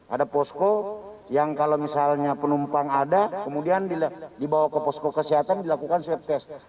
ada posko yang kalau misalnya penumpang ada kemudian dibawa ke posko kesehatan dilakukan swab test